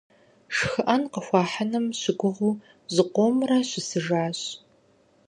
ШхыӀэн къыхуахьыным щыгугъыу зыкъомрэ щысыжащ.